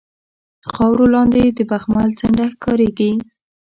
خاورو لاندې د بخمل څنډه ښکاریږي